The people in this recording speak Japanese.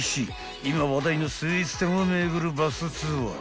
［今話題のスイーツ店を巡るバスツアー］